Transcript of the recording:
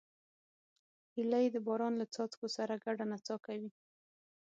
هیلۍ د باران له څاڅکو سره ګډه نڅا کوي